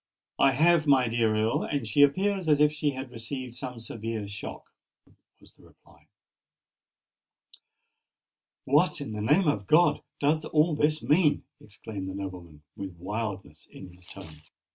"I have, my dear Earl; and she appears as if she had received some severe shock," was the reply. "What, in the name of God! does all this mean?" exclaimed the nobleman, with wildness in his tone.